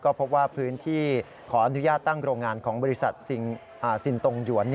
ก็พบว่าพื้นที่ขออนุญาตตั้งโรงงานของบริษัทซินตรงหยวน